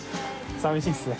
さみしいですね。